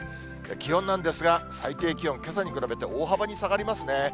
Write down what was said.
気温なんですが、最低気温、けさに比べて大幅に下がりますね。